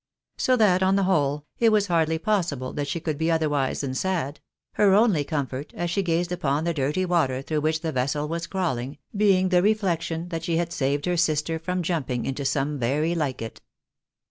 So that, on the whole, it was hardly possible that she could be otherwise than sad ; her only comfort, as she gazed upon the dirty water through which the vessel was crawling, being the reflection that she had saved her sister from jumping into some very like it.